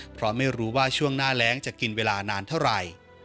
เพราะไม่รู้ว่าช่วงหน้าแรงจะกินเวลานานเท่าไหร่